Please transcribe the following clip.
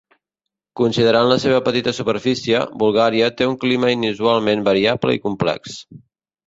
Considerant la seva petita superfície, Bulgària té un clima inusualment variable i complex.